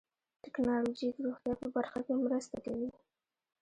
ټکنالوجي د روغتیا په برخه کې مرسته کوي.